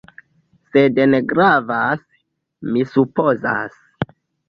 Sed ne gravas, mi supozas.